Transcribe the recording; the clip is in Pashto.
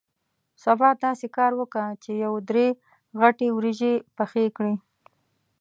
سبا داسې کار وکه چې یو درې غټې وریجې پخې کړې.